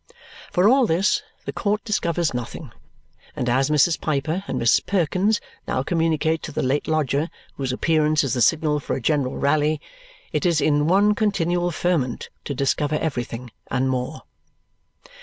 For all this, the court discovers nothing; and as Mrs. Piper and Mrs. Perkins now communicate to the late lodger whose appearance is the signal for a general rally, it is in one continual ferment to discover everything, and more.